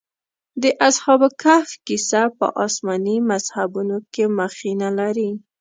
د اصحاب کهف کيسه په آسماني مذهبونو کې مخینه لري.